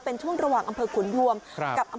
เป็นช่วงระหว่างอำเภอขุนฮวมครับ